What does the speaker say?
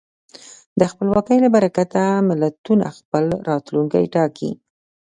د خپلواکۍ له برکته ملتونه خپل راتلونکی ټاکي.